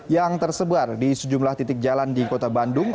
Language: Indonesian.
yang tersebar di sejumlah titik jalan di kota bandung